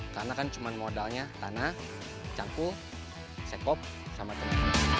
karena kan cuman modalnya tanah campur sekop sama sama